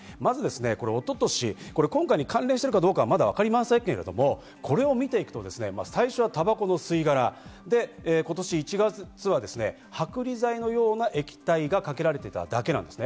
一昨年、今回に関連してるかどうかわかりませんけれど、これを見ていくと最初はたばこの吸い殻、今年１月は剥離剤のような液体がかけられていただけです。